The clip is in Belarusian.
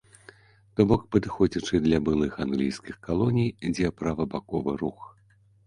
То бок падыходзячы для былых англійскіх калоній, дзе правабаковы рух.